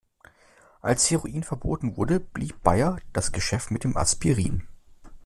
Als Heroin verboten wurde, blieb Bayer das Geschäft mit dem Aspirin.